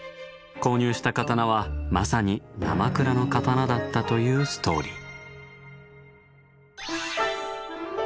購入した刀はまさになまくらの刀だったというストーリー。